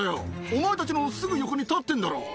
お前たちのすぐ横に立ってんだろ。